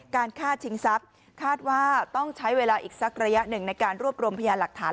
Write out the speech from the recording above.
การฆ่าชิงทรัพย์คาดว่าต้องใช้เวลาอีกสักระยะหนึ่งในการรวบรวมพยานหลักฐาน